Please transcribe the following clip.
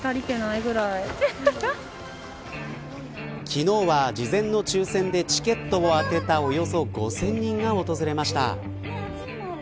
昨日は事前の抽選でチケットを当てたおよそ５０００人が訪れました。